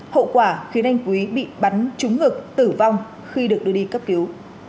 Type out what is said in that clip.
hậu quả khiến anh quý bị bắn trúng ngực tử vong khi được đưa đi cấp cứu